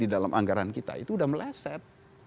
di dalam anggaran kita itu sudah meleset